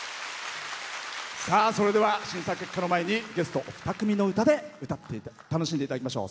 それでは、審査結果の前にゲストお二組の歌で楽しんでいただきましょう。